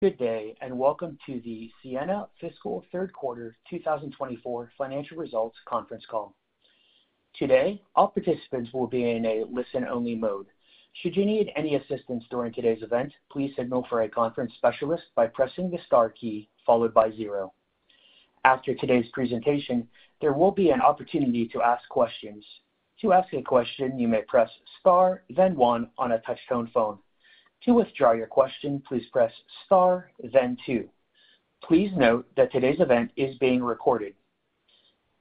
Good day, and welcome to the Ciena Fiscal Third Quarter two thousand and twenty-four financial results conference call. Today, all participants will be in a listen-only mode. Should you need any assistance during today's event, please signal for a conference specialist by pressing the star key followed by zero. After today's presentation, there will be an opportunity to ask questions. To ask a question, you may press Star, then one on a touch-tone phone. To withdraw your question, please press Star, then two. Please note that today's event is being recorded.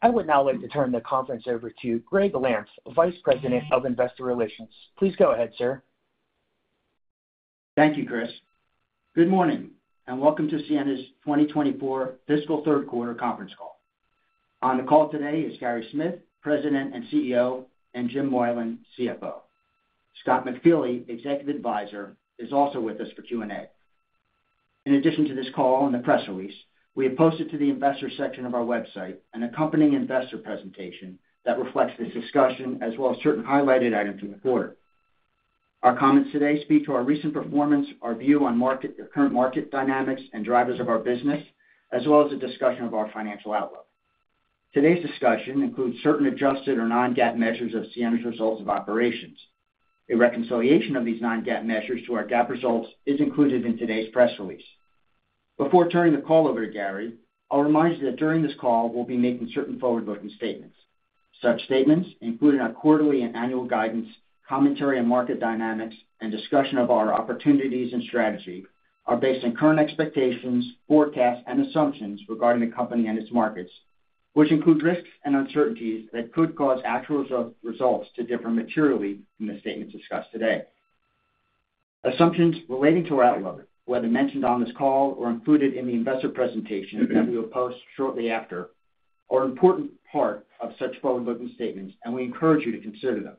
I would now like to turn the conference over to Gregg Lampf, Vice President of Investor Relations. Please go ahead, sir. Thank you, Chris. Good morning, and welcome to Ciena's 2024 fiscal third quarter conference call. On the call today is Gary Smith, President and CEO, and Jim Moylan, CFO. Scott McFeely, Executive Advisor, is also with us for Q&A. In addition to this call and the press release, we have posted to the investor section of our website, an accompanying investor presentation that reflects this discussion, as well as certain highlighted items from the quarter. Our comments today speak to our recent performance, our view on market, the current market dynamics and drivers of our business, as well as a discussion of our financial outlook. Today's discussion includes certain adjusted or non-GAAP measures of Ciena's results of operations. A reconciliation of these non-GAAP measures to our GAAP results is included in today's press release. Before turning the call over to Gary, I'll remind you that during this call, we'll be making certain forward-looking statements. Such statements, including our quarterly and annual guidance, commentary on market dynamics, and discussion of our opportunities and strategy, are based on current expectations, forecasts, and assumptions regarding the company and its markets, which include risks and uncertainties that could cause actual results to differ materially from the statements discussed today. Assumptions relating to our outlook, whether mentioned on this call or included in the investor presentation that we will post shortly after, are an important part of such forward-looking statements, and we encourage you to consider them.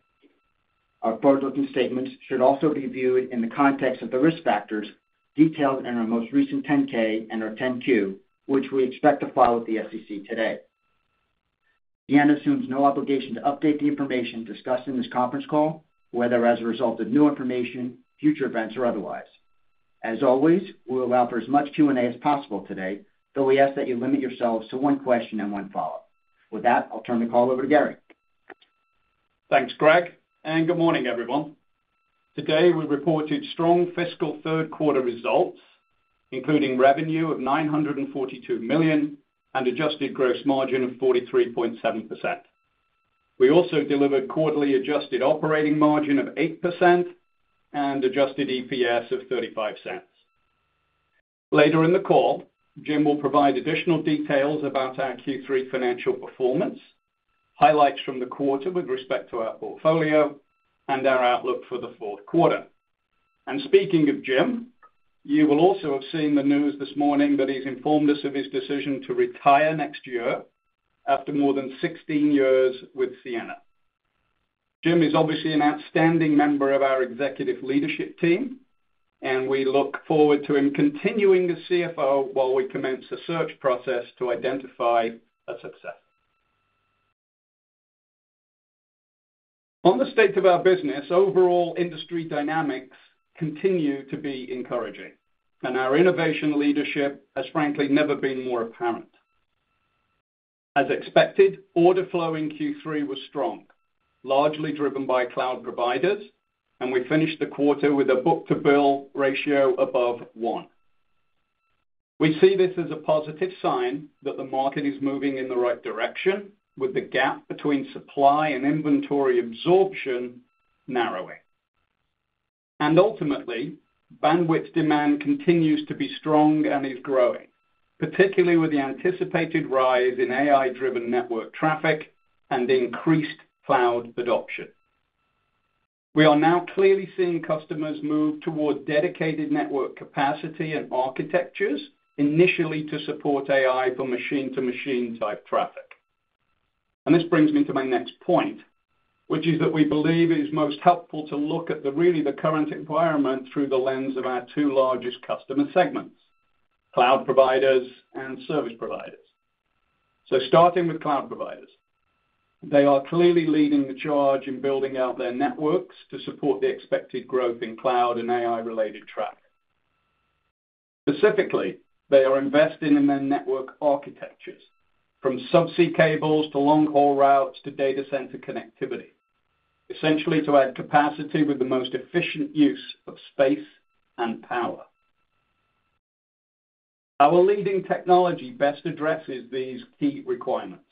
Our forward-looking statements should also be viewed in the context of the risk factors detailed in our most recent 10-K and our 10-Q, which we expect to file with the SEC today. Ciena assumes no obligation to update the information discussed in this conference call, whether as a result of new information, future events, or otherwise. As always, we'll allow for as much Q&A as possible today, though we ask that you limit yourselves to one question and one follow-up. With that, I'll turn the call over to Gary. Thanks, Gregg, and good morning, everyone. Today, we reported strong fiscal third quarter results, including revenue of $942 million and adjusted gross margin of 43.7%. We also delivered quarterly adjusted operating margin of 8% and adjusted EPS of $0.35. Later in the call, Jim will provide additional details about our Q3 financial performance, highlights from the quarter with respect to our portfolio, and our outlook for the fourth quarter, and speaking of Jim, you will also have seen the news this morning that he's informed us of his decision to retire next year after more than 16 years with Ciena. Jim is obviously an outstanding member of our executive leadership team, and we look forward to him continuing as CFO while we commence a search process to identify a successor. On the state of our business, overall industry dynamics continue to be encouraging, and our innovation leadership has, frankly, never been more apparent. As expected, order flow in Q3 was strong, largely driven by cloud providers, and we finished the quarter with a book-to-bill ratio above one. We see this as a positive sign that the market is moving in the right direction, with the gap between supply and inventory absorption narrowing, and ultimately, bandwidth demand continues to be strong and is growing, particularly with the anticipated rise in AI-driven network traffic and increased cloud adoption. We are now clearly seeing customers move toward dedicated network capacity and architectures, initially to support AI for machine-to-machine type traffic. This brings me to my next point, which is that we believe it is most helpful to look at, really, the current environment through the lens of our two largest customer segments, cloud providers and service providers. Starting with cloud providers, they are clearly leading the charge in building out their networks to support the expected growth in cloud and AI-related traffic. Specifically, they are investing in their network architectures, from subsea cables to long-haul routes to data center connectivity, essentially to add capacity with the most efficient use of space and power. Our leading technology best addresses these key requirements,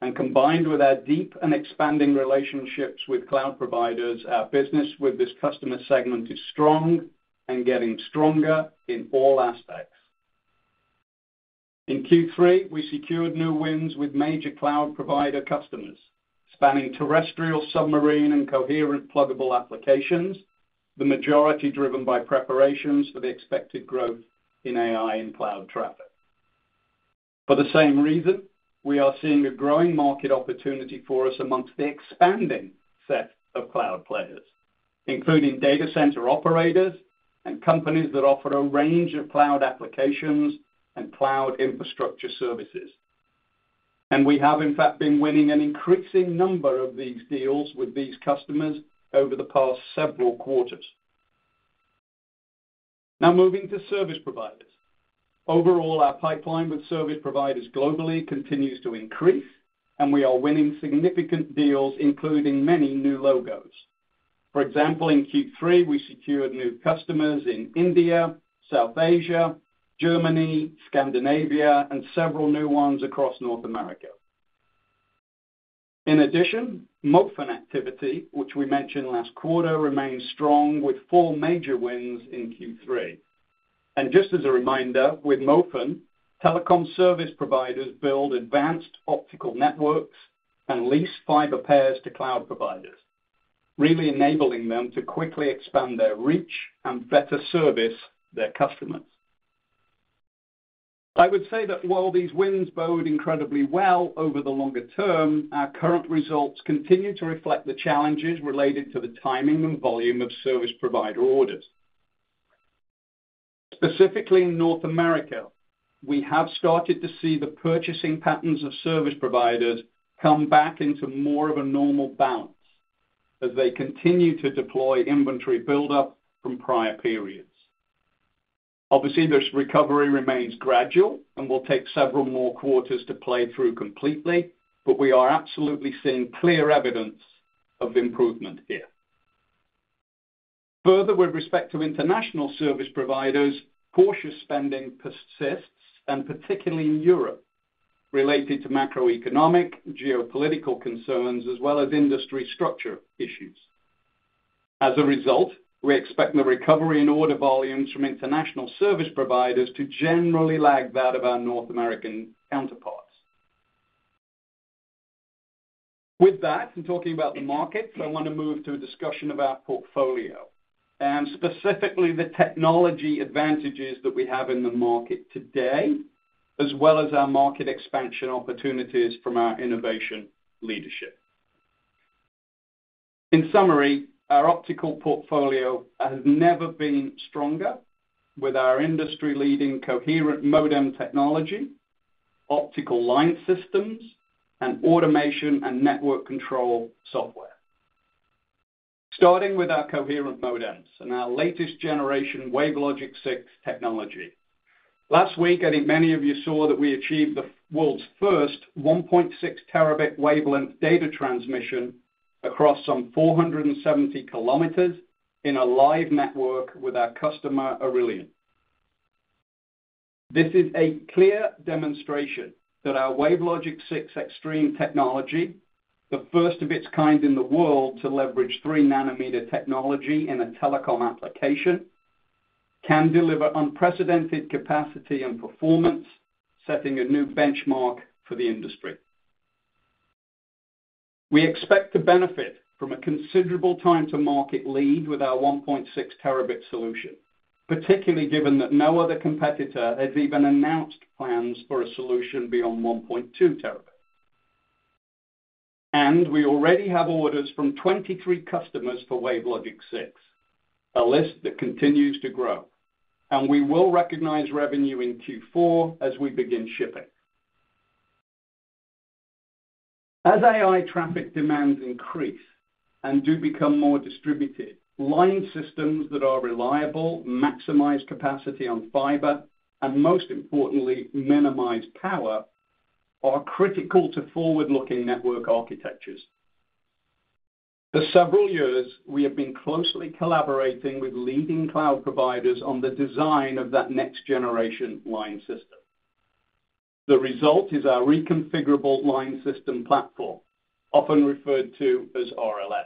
and combined with our deep and expanding relationships with cloud providers, our business with this customer segment is strong and getting stronger in all aspects. In Q3, we secured new wins with major cloud provider customers, spanning terrestrial, submarine, and coherent pluggable applications, the majority driven by preparations for the expected growth in AI and cloud traffic. For the same reason, we are seeing a growing market opportunity for us amongst the expanding set of cloud players, including data center operators and companies that offer a range of cloud applications and cloud infrastructure services, and we have, in fact, been winning an increasing number of these deals with these customers over the past several quarters. Now moving to service providers. Overall, our pipeline with service providers globally continues to increase, and we are winning significant deals, including many new logos. For example, in Q3, we secured new customers in India, South Asia, Germany, Scandinavia, and several new ones across North America. In addition, MOFN activity, which we mentioned last quarter, remains strong, with four major wins in Q3. And just as a reminder, with MOFN, telecom service providers build advanced optical networks and lease fiber pairs to cloud providers, really enabling them to quickly expand their reach and better service their customers. I would say that while these wins bode incredibly well over the longer term, our current results continue to reflect the challenges related to the timing and volume of service provider orders. Specifically in North America, we have started to see the purchasing patterns of service providers come back into more of a normal balance as they continue to deploy inventory buildup from prior periods. Obviously, this recovery remains gradual and will take several more quarters to play through completely, but we are absolutely seeing clear evidence of improvement here. Further, with respect to international service providers, cautious spending persists, and particularly in Europe, related to macroeconomic geopolitical concerns as well as industry structure issues. As a result, we expect the recovery in order volumes from international service providers to generally lag that of our North American counterparts. With that, in talking about the markets, I wanna move to a discussion of our portfolio, and specifically the technology advantages that we have in the market today, as well as our market expansion opportunities from our innovation leadership. In summary, our optical portfolio has never been stronger with our industry-leading coherent modem technology, optical line systems, and automation and network control software. Starting with our coherent modems and our latest generation WaveLogic 6 technology. Last week, I think many of you saw that we achieved the world's first 1.6 terabit wavelength data transmission across some 470 kilometers in a live network with our customer, Arelion. This is a clear demonstration that our WaveLogic 6 Extreme technology, the first of its kind in the world to leverage 3-nanometer technology in a telecom application, can deliver unprecedented capacity and performance, setting a new benchmark for the industry. We expect to benefit from a considerable time-to-market lead with our 1.6 terabit solution, particularly given that no other competitor has even announced plans for a solution beyond 1.2 terabit, and we already have orders from 23 customers for WaveLogic 6, a list that continues to grow, and we will recognize revenue in Q4 as we begin shipping. As AI traffic demands increase and do become more distributed, line systems that are reliable, maximize capacity on fiber, and most importantly, minimize power, are critical to forward-looking network architectures. For several years, we have been closely collaborating with leading cloud providers on the design of that next-generation line system. The result is our Reconfigurable Line System platform, often referred to as RLS.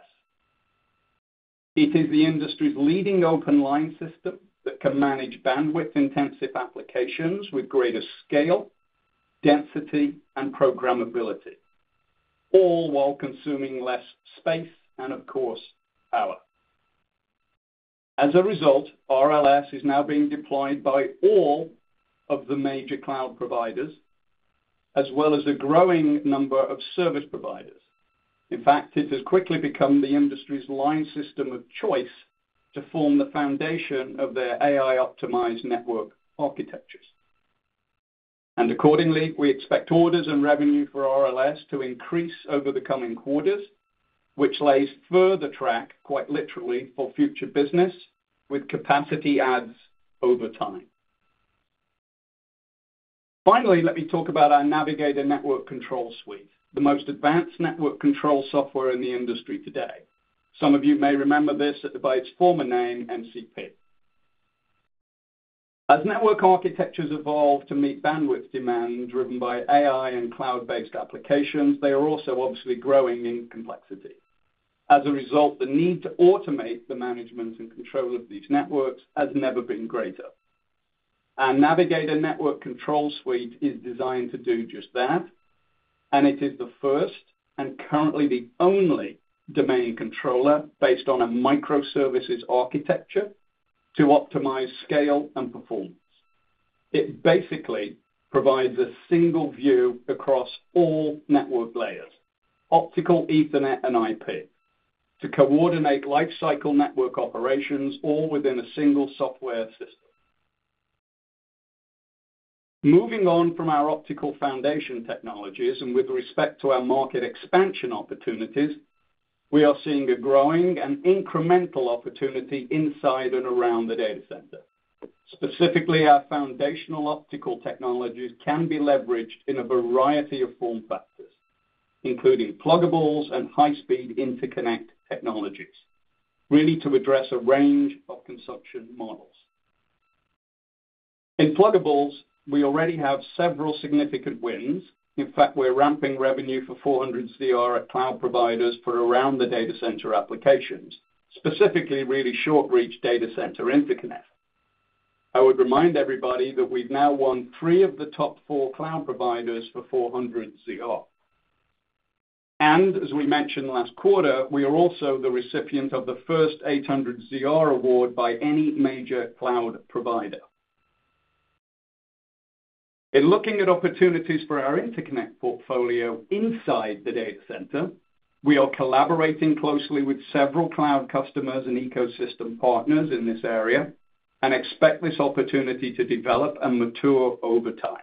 It is the industry's leading open line system that can manage bandwidth-intensive applications with greater scale, density, and programmability, all while consuming less space and, of course, power. As a result, RLS is now being deployed by all of the major cloud providers, as well as a growing number of service providers. In fact, it has quickly become the industry's line system of choice to form the foundation of their AI-optimized network architectures. Accordingly, we expect orders and revenue for RLS to increase over the coming quarters, which lays further track, quite literally, for future business with capacity adds over time. Finally, let me talk about our Navigator Network Control Suite, the most advanced network control software in the industry today. Some of you may remember this by its former name, MCP. As network architectures evolve to meet bandwidth demand driven by AI and cloud-based applications, they are also obviously growing in complexity. As a result, the need to automate the management and control of these networks has never been greater. Our Navigator Network Control Suite is designed to do just that, and it is the first, and currently the only, domain controller based on a microservices architecture to optimize scale and performance. It basically provides a single view across all network layers, optical, Ethernet, and IP, to coordinate lifecycle network operations all within a single software system. Moving on from our optical foundation technologies and with respect to our market expansion opportunities, we are seeing a growing and incremental opportunity inside and around the data center. Specifically, our foundational optical technologies can be leveraged in a variety of form factors, including pluggables and high-speed interconnect technologies, really to address a range of consumption models. In pluggables, we already have several significant wins. In fact, we're ramping revenue for 400ZR at cloud providers for around the data center applications, specifically, really short-reach data center interconnect. I would remind everybody that we've now won three of the top four cloud providers for 400ZR. As we mentioned last quarter, we are also the recipient of the first 800ZR award by any major cloud provider. In looking at opportunities for our interconnect portfolio inside the data center, we are collaborating closely with several cloud customers and ecosystem partners in this area, and expect this opportunity to develop and mature over time.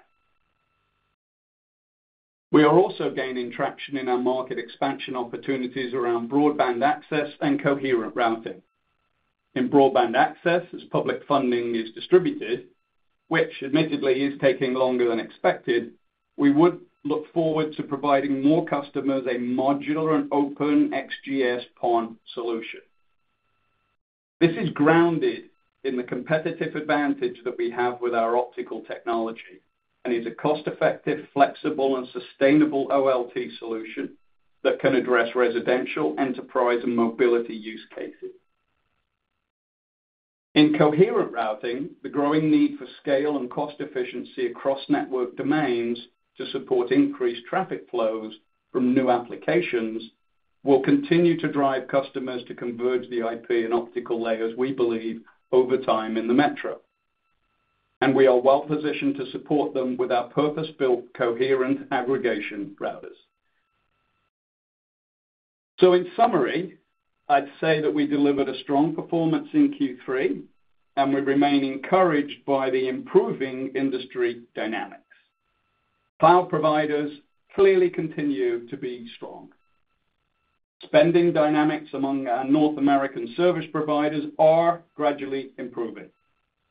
We are also gaining traction in our market expansion opportunities around broadband access and coherent routing. In broadband access, as public funding is distributed, which admittedly is taking longer than expected, we would look forward to providing more customers a modular and open XGS-PON solution. This is grounded in the competitive advantage that we have with our optical technology, and is a cost-effective, flexible, and sustainable OLT solution that can address residential, enterprise, and mobility use cases. In coherent routing, the growing need for scale and cost efficiency across network domains to support increased traffic flows from new applications will continue to drive customers to converge the IP and optical layers, we believe, over time in the metro, and we are well-positioned to support them with our purpose-built, coherent aggregation routers. In summary, I'd say that we delivered a strong performance in Q3, and we remain encouraged by the improving industry dynamics. Cloud providers clearly continue to be strong. Spending dynamics among our North American service providers are gradually improving,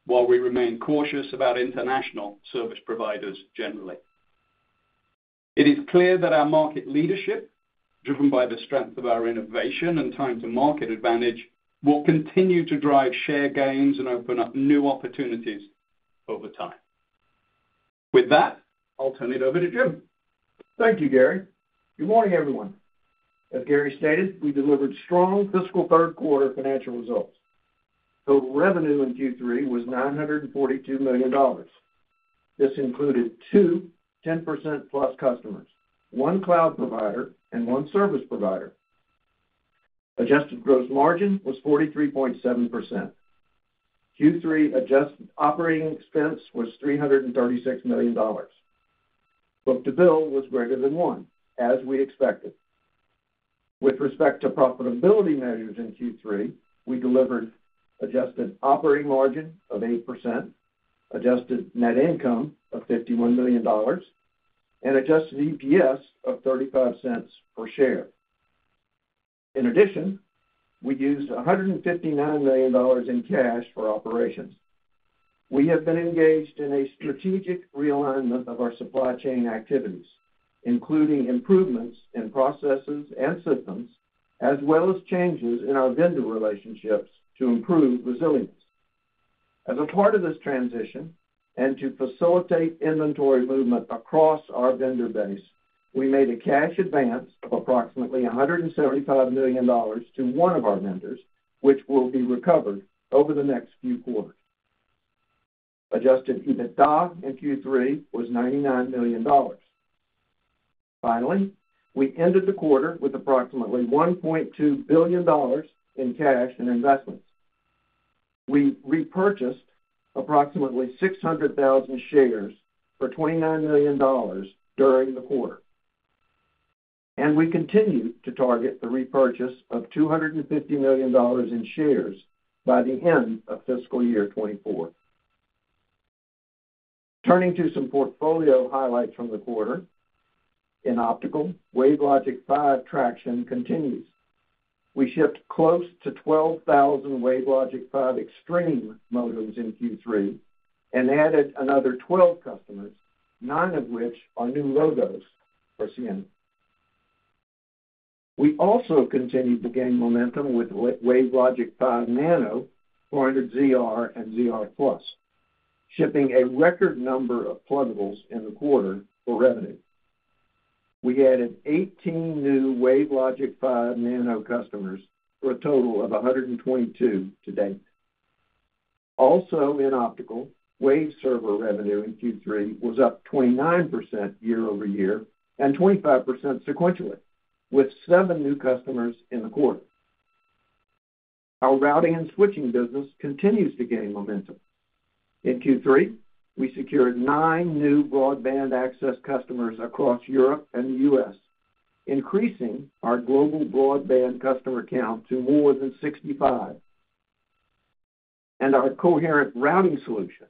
while we remain cautious about international service providers generally. It is clear that our market leadership, driven by the strength of our innovation and time to market advantage, will continue to drive share gains and open up new opportunities over time. With that, I'll turn it over to Jim. Thank you, Gary. Good morning, everyone. As Gary stated, we delivered strong fiscal third quarter financial results. Total revenue in Q3 was $942 million. This included two 10% plus customers, one cloud provider and one service provider. Adjusted gross margin was 43.7%. Q3 adjusted operating expense was $336 million. Book-to-bill was greater than one, as we expected. With respect to profitability measures in Q3, we delivered adjusted operating margin of 8%, adjusted net income of $51 million, and adjusted EPS of $0.35 per share. In addition, we used $159 million in cash for operations. We have been engaged in a strategic realignment of our supply chain activities, including improvements in processes and systems, as well as changes in our vendor relationships to improve resilience. As a part of this transition and to facilitate inventory movement across our vendor base, we made a cash advance of approximately $175 million to one of our vendors, which will be recovered over the next few quarters. Adjusted EBITDA in Q3 was $99 million. Finally, we ended the quarter with approximately $1.2 billion in cash and investments. We repurchased approximately 600,000 shares for $29 million during the quarter, and we continue to target the repurchase of $250 million in shares by the end of fiscal year 2024. Turning to some portfolio highlights from the quarter. In optical, WaveLogic 5 traction continues. We shipped close to 12,000 WaveLogic 5 Extreme modems in Q3 and added another 12 customers, 9 of which are new logos for Ciena. We also continued to gain momentum with WaveLogic 5 Nano, 400ZR and ZR+, shipping a record number of pluggables in the quarter for revenue. We added 18 new WaveLogic 5 Nano customers, for a total of 122 to date. Also, in optical, Waveserver revenue in Q3 was up 29% year-over-year and 25% sequentially, with 7 new customers in the quarter. Our routing and switching business continues to gain momentum. In Q3, we secured 9 new broadband access customers across Europe and the U.S., increasing our global broadband customer count to more than 65, and our coherent routing solution,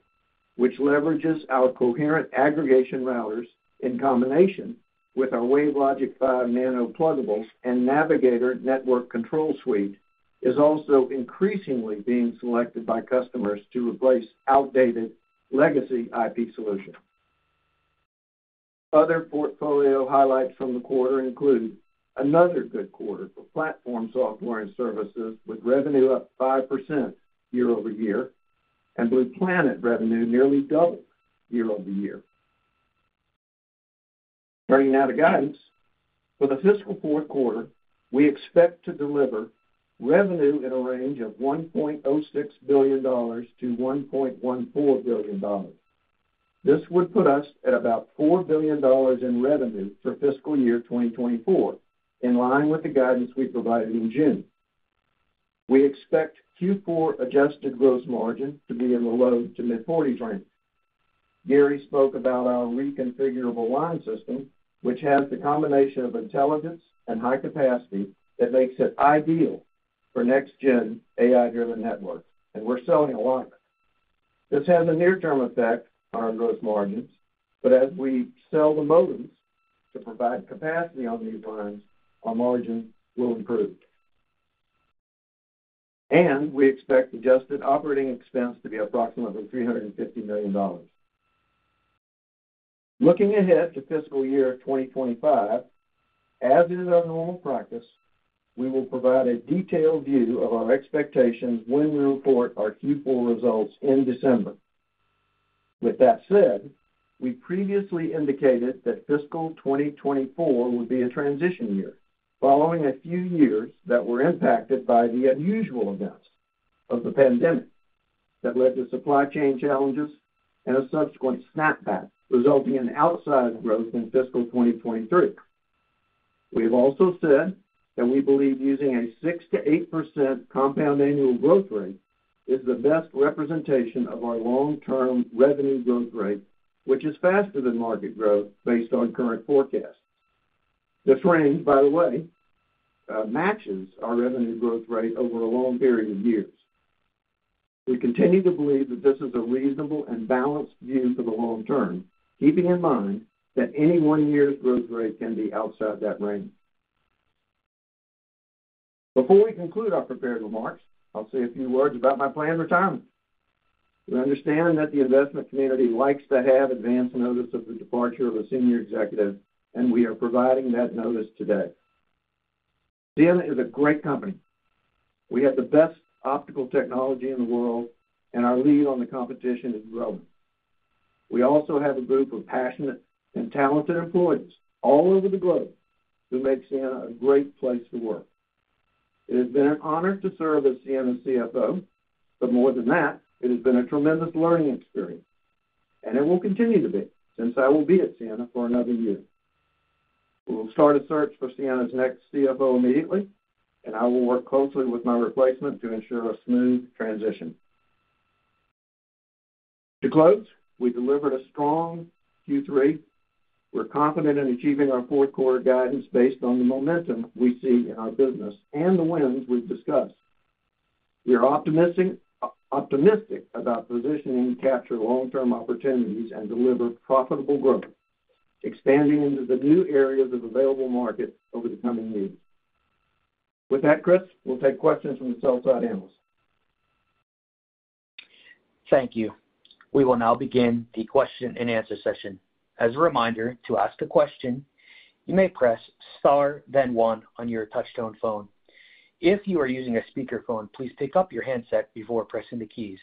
which leverages our coherent aggregation routers in combination with our WaveLogic 5 Nano pluggables and Navigator Network Control Suite, is also increasingly being selected by customers to replace outdated legacy IP solutions. Other portfolio highlights from the quarter include another good quarter for platform software and services, with revenue up 5% year-over-year, and Blue Planet revenue nearly doubled year-over-year. Turning now to guidance. For the fiscal fourth quarter, we expect to deliver revenue in a range of $1.06 billion-$1.14 billion. This would put us at about $4 billion in revenue for fiscal year 2024, in line with the guidance we provided in June. We expect Q4 adjusted gross margin to be in the low-to-mid 40s range. Gary spoke about our Reconfigurable Line System, which has the combination of intelligence and high capacity that makes it ideal for next-gen AI-driven networks, and we're selling a lot. This has a near-term effect on our gross margins, but as we sell the modems to provide capacity on these lines, our margins will improve. And we expect adjusted operating expense to be approximately $350 million. Looking ahead to fiscal year 2025, as is our normal practice, we will provide a detailed view of our expectations when we report our Q4 results in December. With that said, we previously indicated that fiscal 2024 would be a transition year, following a few years that were impacted by the unusual events of the pandemic that led to supply chain challenges and a subsequent snapback, resulting in outsized growth in fiscal 2023. We have also said that we believe using a 6%-8% compound annual growth rate is the best representation of our long-term revenue growth rate, which is faster than market growth based on current forecasts. This range, by the way, matches our revenue growth rate over a long period of years. We continue to believe that this is a reasonable and balanced view for the long term, keeping in mind that any one year's growth rate can be outside that range. Before we conclude our prepared remarks, I'll say a few words about my planned retirement. We understand that the investment community likes to have advance notice of the departure of a senior executive, and we are providing that notice today. Ciena is a great company. We have the best optical technology in the world, and our lead on the competition is growing. We also have a group of passionate and talented employees all over the globe who make Ciena a great place to work. It has been an honor to serve as Ciena's CFO, but more than that, it has been a tremendous learning experience, and it will continue to be, since I will be at Ciena for another year. We will start a search for Ciena's next CFO immediately, and I will work closely with my replacement to ensure a smooth transition. To close, we delivered a strong Q3. We're confident in achieving our fourth quarter guidance based on the momentum we see in our business and the wins we've discussed. We are optimistic about positioning to capture long-term opportunities and deliver profitable growth, expanding into the new areas of available markets over the coming years. With that, Chris, we'll take questions from the sell side analysts. Thank you. We will now begin the question and answer session. As a reminder, to ask a question, you may press star then one on your touchtone phone. If you are using a speakerphone, please pick up your handset before pressing the keys.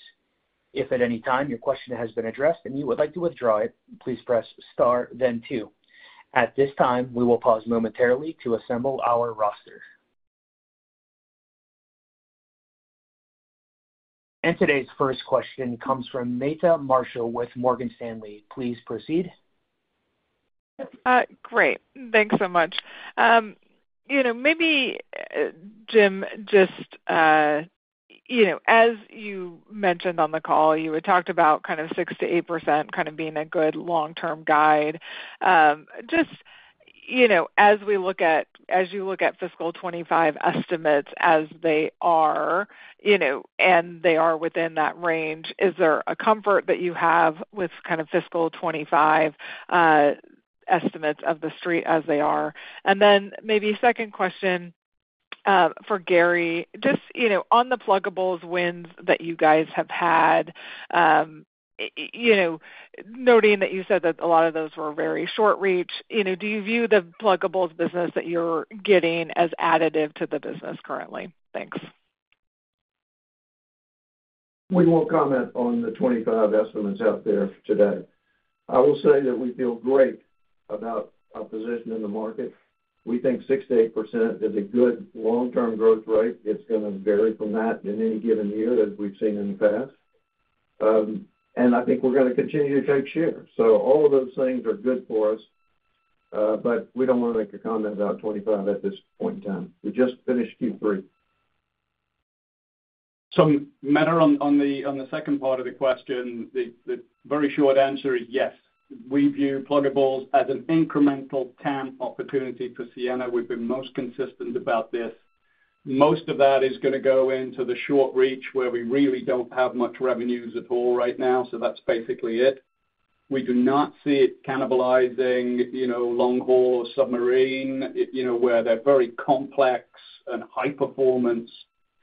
If at any time your question has been addressed and you would like to withdraw it, please press star then two. At this time, we will pause momentarily to assemble our roster. Today's first question comes from Meta Marshall with Morgan Stanley. Please proceed. Great. Thanks so much. You know, maybe, Jim, just, you know, as you mentioned on the call, you had talked about kind of 6%-8% kind of being a good long-term guide. Just, you know, as we look at - as you look at fiscal twenty-five estimates as they are, you know, and they are within that range, is there a comfort that you have with kind of fiscal twenty-five estimates of The Street as they are? And then maybe second question, for Gary, just, you know, on the pluggables wins that you guys have had, you know, noting that you said that a lot of those were very short reach, you know, do you view the pluggables business that you're getting as additive to the business currently? Thanks. We won't comment on the twenty-five estimates out there today. I will say that we feel great about our position in the market. We think six to eight percent is a good long-term growth rate. It's gonna vary from that in any given year, as we've seen in the past, and I think we're gonna continue to take share, so all of those things are good for us, but we don't want to make a comment about twenty-five at this point in time. We just finished Q3. So, moving on to the second part of the question, the very short answer is yes. We view pluggables as an incremental TAM opportunity for Ciena. We've been most consistent about this. Most of that is gonna go into the short reach, where we really don't have much revenues at all right now, so that's basically it. We do not see it cannibalizing, you know, long haul or submarine, it, you know, where they're very complex and high performance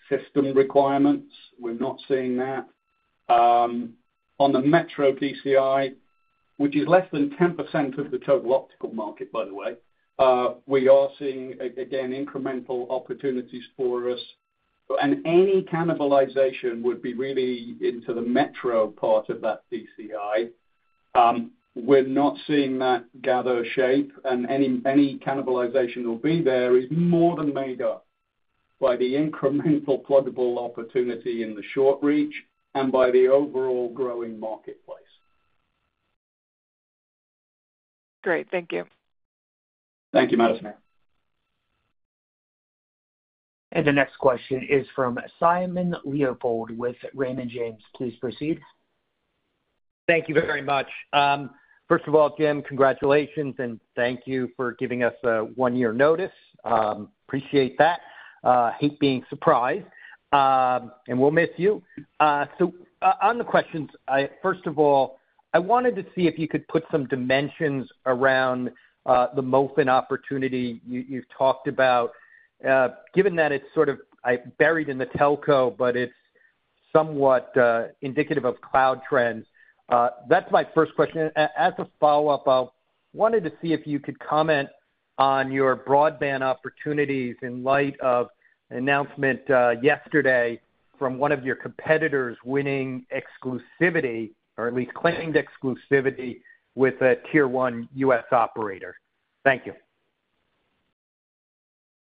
system requirements. We're not seeing that. On the metro DCI, which is less than 10% of the total optical market, by the way, we are seeing again, incremental opportunities for us. And any cannibalization would be really into the metro part of that DCI. We're not seeing that gather shape, and any cannibalization will be there is more than made up by the incremental pluggable opportunity in the short reach and by the overall growing marketplace. Great. Thank you. Thank you, Meta. The next question is from Simon Leopold with Raymond James. Please proceed. Thank you very much. First of all, Jim, congratulations, and thank you for giving us a one-year notice. Appreciate that. Hate being surprised, and we'll miss you. So on the questions, first of all, I wanted to see if you could put some dimensions around the MOFN opportunity you, you've talked about, given that it's sort of buried in the telco, but it's somewhat indicative of cloud trends. That's my first question. As a follow-up, I wanted to see if you could comment on your broadband opportunities in light of an announcement yesterday from one of your competitors winning exclusivity, or at least claimed exclusivity, with a Tier One U.S. operator. Thank you.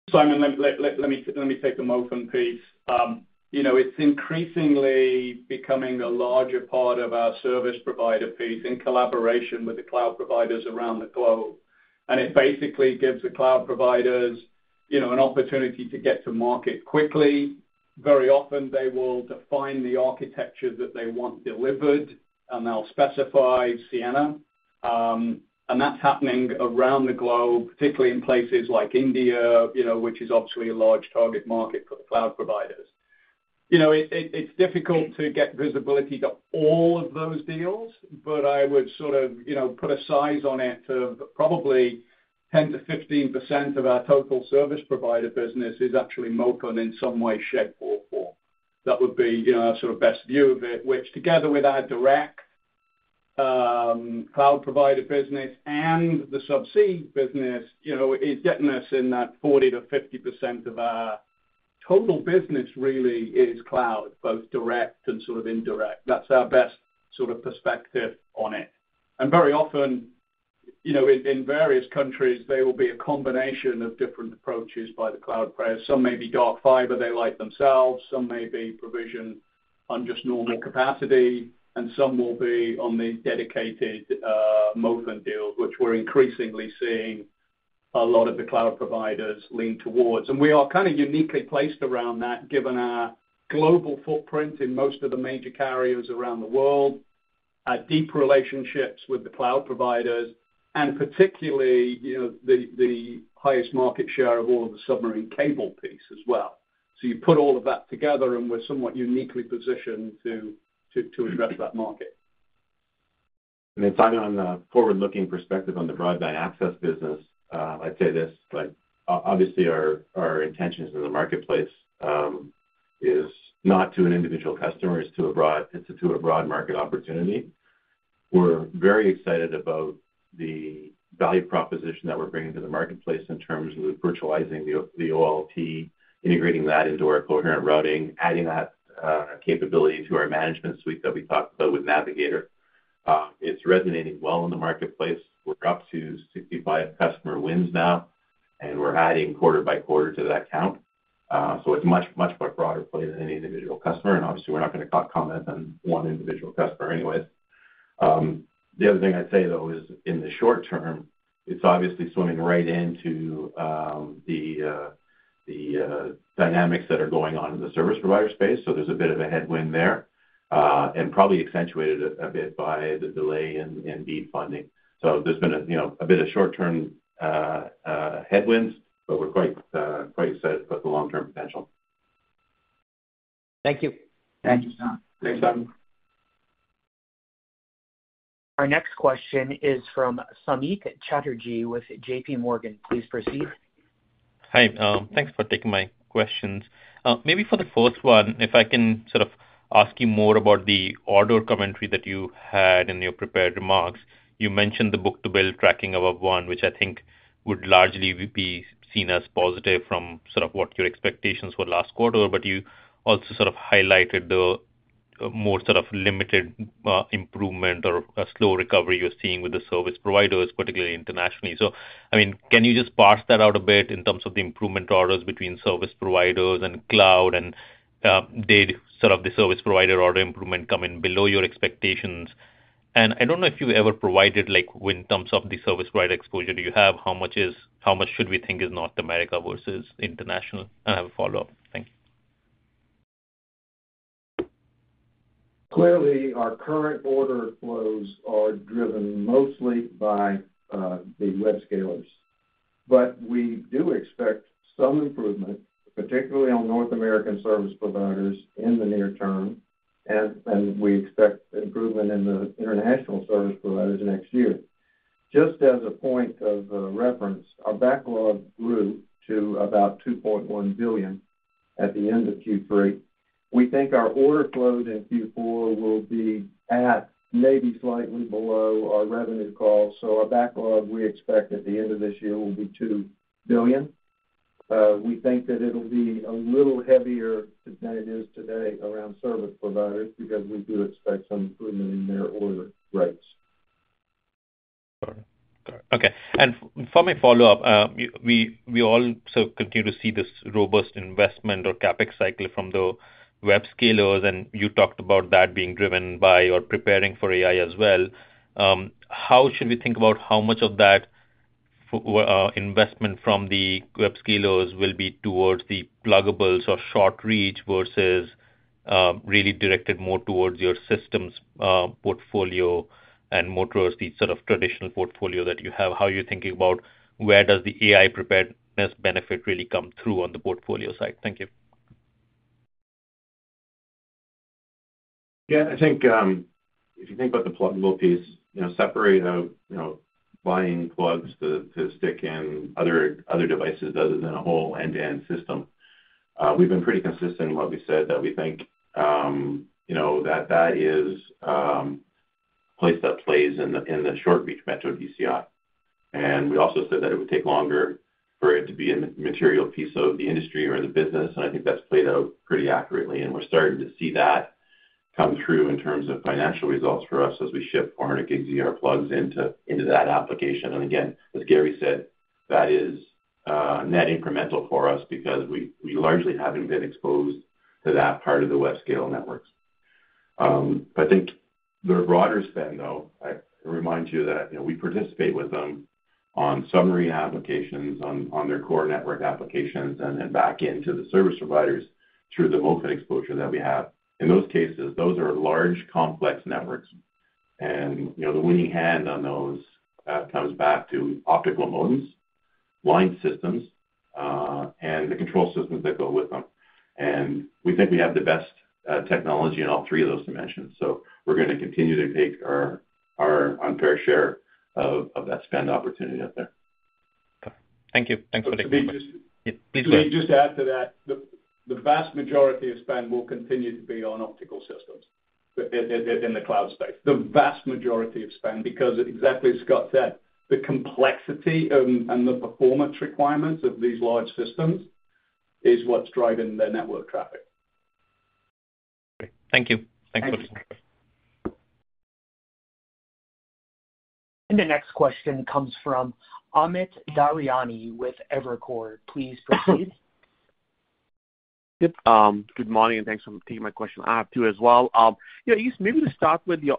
Simon, let me take the MOFN piece. You know, it's increasingly becoming a larger part of our service provider piece, in collaboration with the cloud providers around the globe, and it basically gives the cloud providers, you know, an opportunity to get to market quickly. Very often, they will define the architecture that they want delivered, and they'll specify Ciena, and that's happening around the globe, particularly in places like India, you know, which is obviously a large target market for the cloud providers. You know, it's difficult to get visibility to all of those deals, but I would sort of, you know, put a size on it to probably 10%-15% of our total service provider business is actually MOFN in some way, shape, or form. That would be, you know, our sort of best view of it, which together with our direct cloud provider business and the subsea business, you know, is getting us in that 40%-50% of our total business really is cloud, both direct and sort of indirect. That's our best sort of perspective on it. Very often, you know, in various countries, there will be a combination of different approaches by the cloud providers. Some may be dark fiber, they light themselves, some may be provision on just normal capacity, and some will be on the dedicated MOFN deals, which we're increasingly seeing a lot of the cloud providers lean towards. We are kind of uniquely placed around that, given our global footprint in most of the major carriers around the world, our deep relationships with the cloud providers, and particularly, you know, the highest market share of all of the submarine cable piece as well. You put all of that together, and we're somewhat uniquely positioned to address that market. And then finally, on the forward-looking perspective on the broadband access business, I'd say this, like, obviously our intentions in the marketplace is not to an individual customer, it's to a broad market opportunity. We're very excited about the value proposition that we're bringing to the marketplace in terms of virtualizing the OLT, integrating that into our coherent routing, adding that capability to our management suite that we talked about with Navigator. It's resonating well in the marketplace. We're up to 65 customer wins now, and we're adding quarter by quarter to that count. So it's much, much more broader play than any individual customer, and obviously, we're not gonna comment on one individual customer anyways. The other thing I'd say, though, is in the short term, it's obviously swimming right into the dynamics that are going on in the service provider space, so there's a bit of a headwind there, and probably accentuated a bit by the delay in BEAD funding. So there's been, you know, a bit of short-term headwinds, but we're quite set about the long-term potential. Thank you. Thank you, Simon. Thanks, Simon. Our next question is from Samik Chatterjee with J.P. Morgan. Please proceed. Hi, thanks for taking my questions. Maybe for the first one, if I can sort of ask you more about the order commentary that you had in your prepared remarks. You mentioned the book-to-bill tracking above one, which I think would largely be seen as positive from sort of what your expectations were last quarter, but you also sort of highlighted the more sort of limited improvement or a slow recovery you're seeing with the service providers, particularly internationally. So, I mean, can you just parse that out a bit in terms of the improvement orders between service providers and cloud, and did sort of the service provider order improvement come in below your expectations? I don't know if you've ever provided, like, in terms of the service provider exposure you have, how much is, how much should we think is North America versus international? I have a follow-up. Thank you. Clearly, our current order flows are driven mostly by the webscalerrs. But we do expect some improvement, particularly on North American service providers, in the near term, and we expect improvement in the international service providers next year. Just as a point of reference, our backlog grew to about $2.1 billion at the end of Q3. We think our order flow in Q4 will be at maybe slightly below our revenue call, so our backlog, we expect at the end of this year, will be $2 billion. We think that it'll be a little heavier than it is today around service providers, because we do expect some improvement in their order rates. Got it. Okay, and for my follow-up, we also continue to see this robust investment or CapEx cycle from the webscalerrs, and you talked about that being driven by or preparing for AI as well. How should we think about how much of that investment from the webscalerrs will be towards the pluggables or short reach versus, really directed more towards your systems, portfolio and more towards the sort of traditional portfolio that you have? How are you thinking about where does the AI preparedness benefit really come through on the portfolio side? Thank you. Yeah, I think if you think about the pluggable piece, you know, separate out, you know, buying plugs to stick in other devices other than a whole end-to-end system. We've been pretty consistent in what we said, that we think, you know, that that is a place that plays in the short reach metro DCI. And we also said that it would take longer for it to be a material piece of the industry or the business, and I think that's played out pretty accurately, and we're starting to see that come through in terms of financial results for us as we ship 400ZR plugs into that application. And again, as Gary said, that is net incremental for us because we largely haven't been exposed to that part of the webscaler networks. But I think the broader spend, though, I remind you that, you know, we participate with them on submarine applications, on their core network applications, and then back into the service providers through the MOFN exposure that we have. In those cases, those are large, complex networks. And, you know, the winning hand on those comes back to optical modems, line systems, and the control systems that go with them. And we think we have the best technology in all three of those dimensions, so we're gonna continue to take our unfair share of that spend opportunity out there. Thank you. Let me just Please go ahead. Let me just add to that. The vast majority of spend will continue to be on optical systems in the cloud space. The vast majority of spend, because exactly as Scott said, the complexity and the performance requirements of these large systems is what's driving the network traffic. Great. Thank you. Thank you. The next question comes from Amit Daryanani with Evercore. Please proceed. Yep. Good morning, and thanks for taking my question. I have two as well. Yeah, maybe to start with your,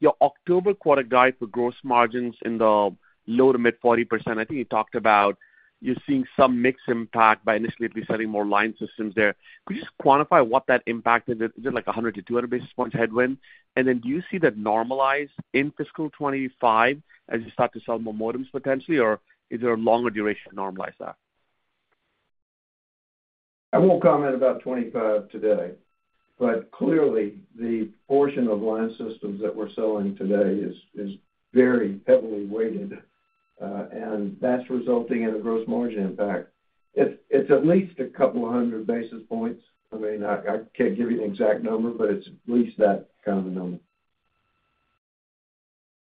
your October quarter guide for gross margins in the low- to mid-40%. I think you talked about you're seeing some mix impact by initially selling more line systems there. Could you just quantify what that impact is? Is it like 100 to 200 basis points headwind? And then do you see that normalize in fiscal 2025 as you start to sell more modems potentially, or is there a longer duration to normalize that? I won't comment about 25 today, but clearly the portion of line systems that we're selling today is very heavily weighted, and that's resulting in a gross margin impact. It's at least a couple of hundred basis points. I mean, I can't give you an exact number, but it's at least that kind of a number.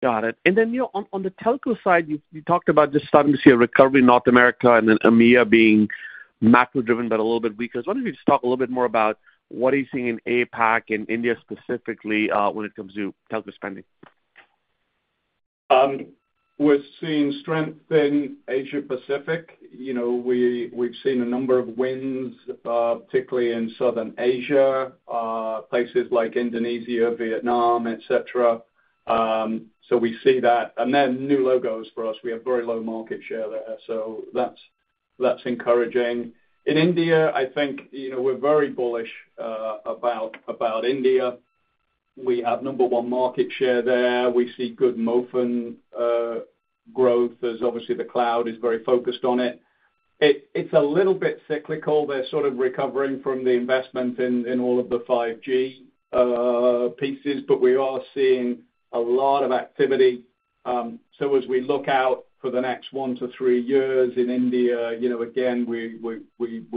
Got it. And then, you know, on the telco side, you talked about just starting to see a recovery in North America and then EMEA being macro-driven, but a little bit weaker. So I was wondering if you could just talk a little bit more about what are you seeing in APAC, in India specifically, when it comes to telco spending. We're seeing strength in Asia-Pacific. You know, we've seen a number of wins, particularly in South Asia, places like Indonesia, Vietnam, et cetera. So we see that. And then new logos for us, we have very low market share there, so that's encouraging. In India, I think, you know, we're very bullish about India. We have number one market share there. We see good MOFN growth, as obviously the cloud is very focused on it. It's a little bit cyclical. They're sort of recovering from the investment in all of the 5G pieces, but we are seeing a lot of activity. So as we look out for the next one to three years in India, you know, again, we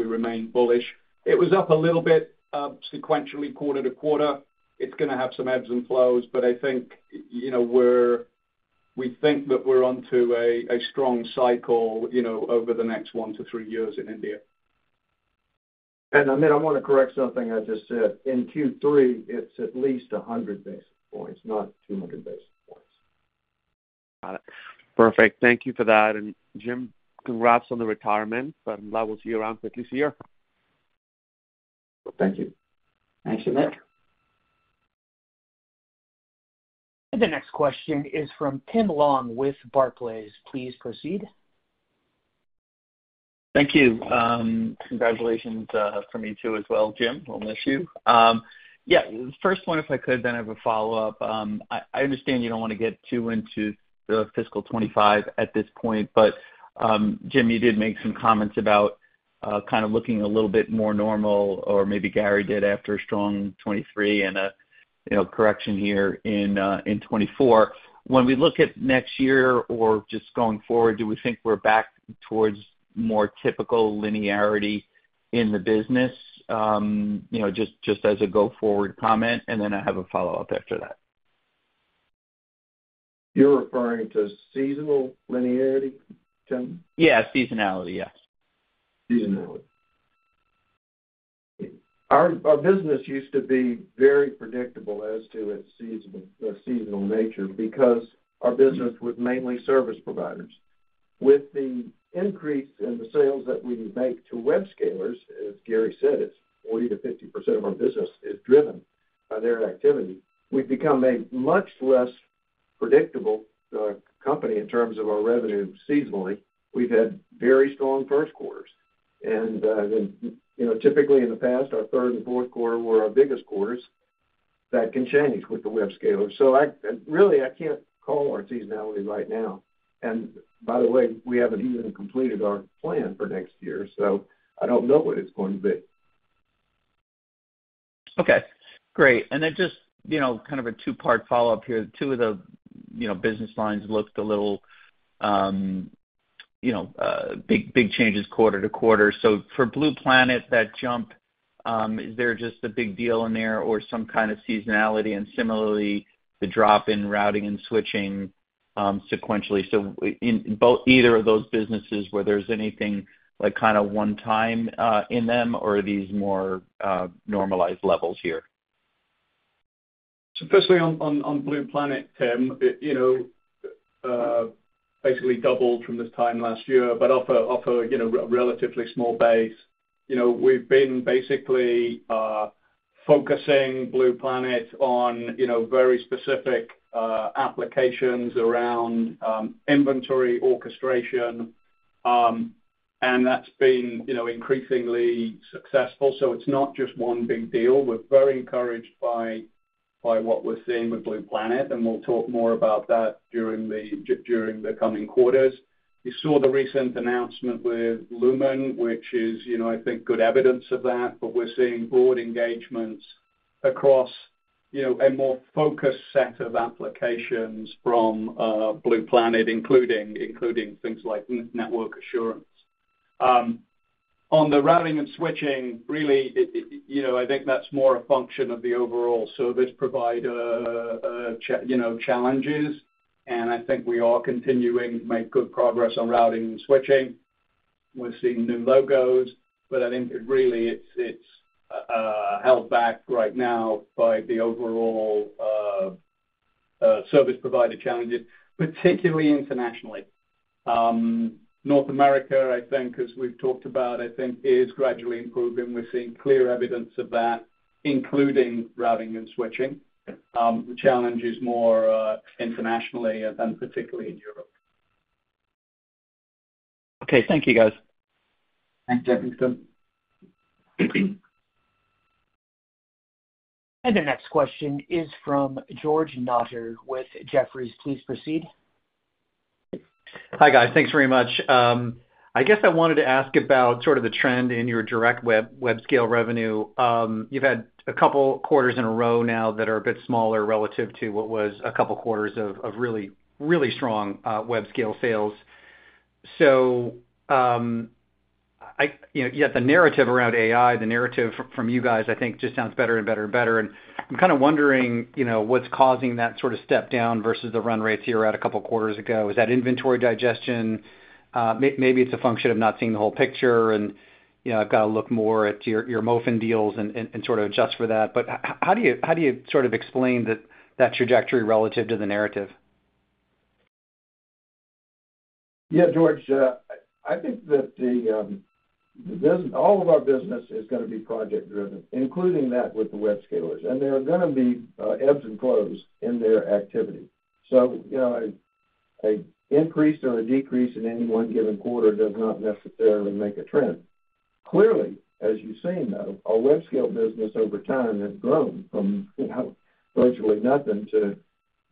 remain bullish. It was up a little bit, sequentially, quarter to quarter. It's gonna have some ebbs and flows, but I think, you know, we think that we're onto a strong cycle, you know, over the next one to three years in India. And Amit, I want to correct something I just said. In Q3, it's at least 100 basis points, not 200 basis points. Got it. Perfect. Thank you for that. And Jim, congrats on the retirement, but I will see you around at least here. Well, thank you. Thanks, Amit. And the next question is from Tim Long with Barclays. Please proceed. Thank you. Congratulations from me, too, as well, Jim. We'll miss you. Yeah, first one if I could, then I have a follow-up. I understand you don't want to get too into the fiscal '25 at this point, but, Jim, you did make some comments about kind of looking a little bit more normal, or maybe Gary did, after a strong '23 and a, you know, correction here in '24. When we look at next year or just going forward, do we think we're back towards more typical linearity in the business? You know, just as a go-forward comment, and then I have a follow-up after that. You're referring to seasonal linearity, Tim? Yeah. Seasonality, yes. Seasonality. Our business used to be very predictable as to its seasonal, the seasonal nature, because our business was mainly service providers. With the increase in the sales that we make to webscalerrs, as Gary said, it's 40%-50% of our business is driven by their activity, we've become a much less predictable company in terms of our revenue seasonally. We've had very strong first quarters, and then, you know, typically in the past, our third and fourth quarter were our biggest quarters. That can change with the webscalerrs. So really, I can't call our seasonality right now. And by the way, we haven't even completed our plan for next year, so I don't know what it's going to be. Okay, great. And then just, you know, kind of a two-part follow-up here. Two of the, you know, business lines looked a little, big, big changes quarter to quarter. So for Blue Planet, that jump, is there just a big deal in there or some kind of seasonality? And similarly, the drop in routing and switching, sequentially, so in both, either of those businesses where there's anything like kind of one time, in them, or are these more, normalized levels here? So firstly, on Blue Planet, Tim, it you know basically doubled from this time last year, but off a you know relatively small base. You know, we've been basically focusing Blue Planet on you know very specific applications around inventory orchestration. And that's been you know increasingly successful, so it's not just one big deal. We're very encouraged by what we're seeing with Blue Planet, and we'll talk more about that during the coming quarters. You saw the recent announcement with Lumen, which is you know I think good evidence of that, but we're seeing broad engagements across you know a more focused set of applications from Blue Planet, including things like network assurance. On the routing and switching, really, it, it, you know, I think that's more a function of the overall service provider, you know, challenges, and I think we are continuing to make good progress on routing and switching. We're seeing new logos, but I think it really, it's, it's, held back right now by the overall service provider challenges, particularly internationally. North America, I think, as we've talked about, I think is gradually improving. We're seeing clear evidence of that, including routing and switching. The challenge is more internationally and particularly in Europe. Okay. Thank you, guys. Thanks, Tim. The next question is from George Notter with Jefferies. Please proceed. Hi, guys. Thanks very much. I guess I wanted to ask about sort of the trend in your direct webscaler revenue. You've had a couple quarters in a row now that are a bit smaller relative to what was a couple quarters of really, really strong webscaler sales. So, I, you know, yet the narrative around AI, the narrative from you guys, I think, just sounds better and better and better, and I'm kind of wondering, you know, what's causing that sort of step down versus the run rates you were at a couple quarters ago. Is that inventory digestion? Maybe it's a function of not seeing the whole picture, and, you know, I've got to look more at your MOFN deals and sort of adjust for that. But how do you sort of explain that trajectory relative to the narrative? Yeah, George, I think that all of our business is gonna be project driven, including that with the webscalerrs, and there are gonna be ebbs and flows in their activity. So, you know, an increase or a decrease in any one given quarter does not necessarily make a trend. Clearly, as you've seen, though, our webscaler business over time has grown from, you know, virtually nothing to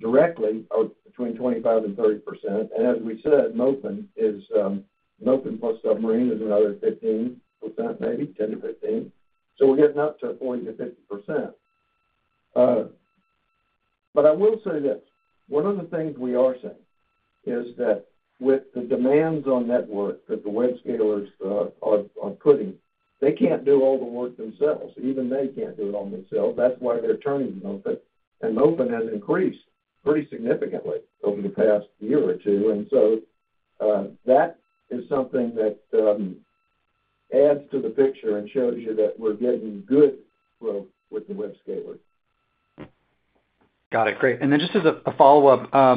directly between 25% and 30%. And as we said, MOFN is MOFN plus submarine is another 15%, maybe 10% to 15%, so we're getting up to 40% to 50%. But I will say this, one of the things we are seeing is that with the demands on network that the webscalerrs are putting, they can't do all the work themselves. Even they can't do it all themselves. That's why they're turning to MOFN. And MOFN has increased pretty significantly over the past year or two, and so, that is something that adds to the picture and shows you that we're getting good growth with the webscalerrs. Got it. Great. And then just as a follow-up,